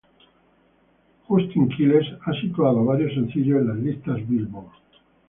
Justin Quiles ha posicionado varios sencillos en las listas Billboard.